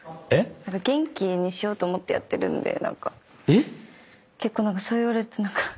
元気にしようと思ってやってるんで結構そう言われると何か。